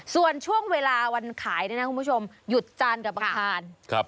ส่วนช่วงเวลาวันขายเนี่ยนะคุณผู้ชมหยุดจันทร์กับอังคาร